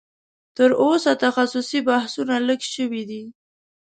تر اوسه تخصصي بحثونه لږ شوي دي